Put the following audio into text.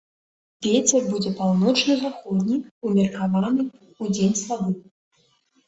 Вецер будзе паўночна-заходні ўмеркаваны, удзень слабы.